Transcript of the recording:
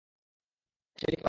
সে লিখতে পারে।